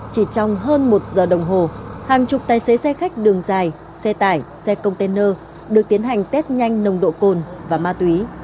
chỉ trong hơn một giờ đồng hồ hàng chục tài xế xe khách đường dài xe tải xe container được tiến hành test nhanh nồng độ cồn và ma túy